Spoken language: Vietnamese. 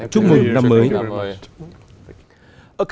chúc mừng năm mới